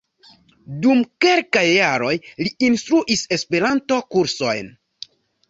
Dum kelkaj jaroj li instruis Esperanto-kursojn.